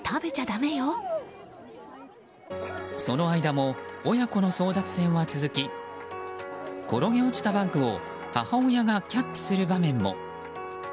その間も親子の争奪戦は続き転げ落ちたバッグを母親がキャッチする場面も。